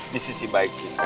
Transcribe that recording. di sisi baik kita